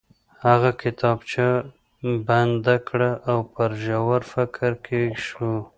هغه کتابچه بنده کړه او په ژور فکر کې شو